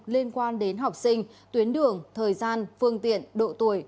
liên quan đến học sinh tuyến đường thời gian phương tiện độ tuổi